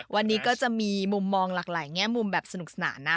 วันนี้ก็จะมีมุมมองหลากหลายแง่มุมแบบสนุกสนานนะ